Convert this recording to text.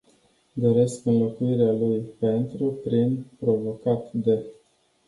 Doresc înlocuirea lui "pentru” prin "provocate de”.